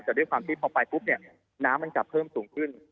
แต่ด้วยความที่พอไปปุ๊บเนี่ยน้ำมันจะเพิ่มสูงขึ้น